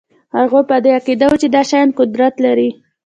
هغوی په دې عقیده وو چې دا شیان قدرت لري